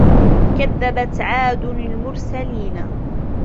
كَذَّبَت عادٌ المُرسَلينَ